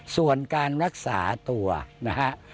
ส่วนการรักษาตัวนะฮะ